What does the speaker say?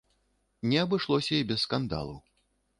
Не абышлося і без скандалу.